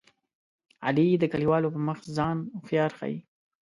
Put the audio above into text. علي د کلیوالو په مخ ځان هوښیار ښيي.